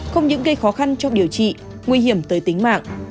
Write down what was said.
không những gây khó khăn trong điều trị nguy hiểm tới tính mạng